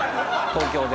東京で？